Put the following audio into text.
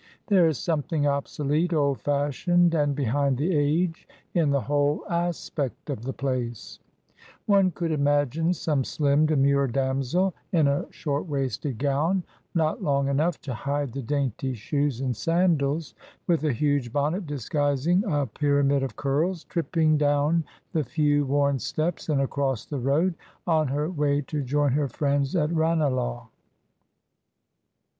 There is something obsolete, old fashioned, and behind the age in the whole aspect of the place. One could imagine some slim, demure damsel in a short waisted gown, not long enough to hide the dainty shoes and sandals, with a huge bonnet disguising a pyramid of curls, tripping down the few worn steps and across the road, on her way to join her friends at Ranelagh.